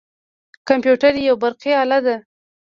کمپیوتر یوه برقي اله ده.